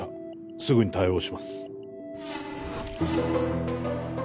すぐに対応します